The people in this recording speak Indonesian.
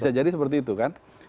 bisa jadi seperti itu kan